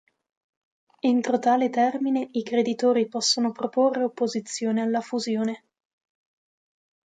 Entro tale termine i creditori possono proporre opposizione alla fusione.